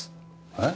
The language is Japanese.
えっ？